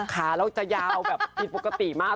ขาเราจะยาวแบบผิดปกติมาก